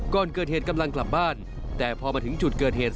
ก่อนเกิดเหตุกำลังกลับบ้านแต่พอมาถึงจุดเกิดเหตุ